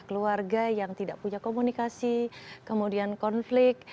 keluarga yang tidak punya komunikasi kemudian konflik